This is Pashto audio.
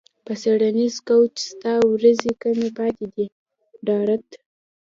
په څیړنیز کوچ ستا ورځې کمې پاتې دي ډارت